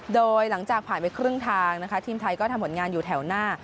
โดยหลังจากผ่านไปครึ่งทางนะคะทีมไทยก็ทำผลงานอยู่แถวหน้า